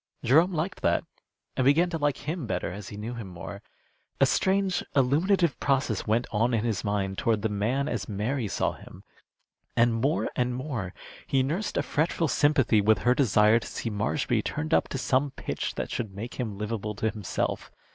Jerome liked that, and began to like him better as he knew him more. A strange illuminative process went on in his mind toward the man as Mary saw him, and more and more he nursed a fretful sympathy with her desire to see Marshby tuned up to some pitch that should make him livable to himself.